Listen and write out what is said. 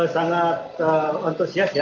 sangat antusias ya